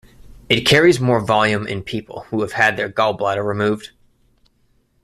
It carries more volume in people who have had their gallbladder removed.